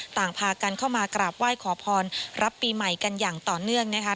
ต่างพากันเข้ามากราบไหว้ขอพรรับปีใหม่กันอย่างต่อเนื่องนะคะ